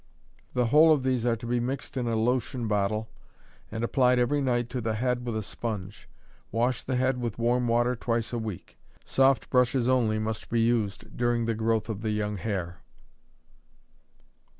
The whole of these are to be mixed in a lotion bottle, and applied every night to the head with a sponge. Wash the head with warm water twice a week. Soft brushes only must be used during the growth of the young hair.